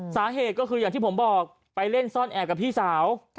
สาเหตุก็คืออย่างที่ผมบอกไปเล่นซ่อนแอบกับพี่สาว